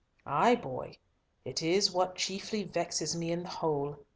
Ay, boy, it is what chiefly vexes me in the whole.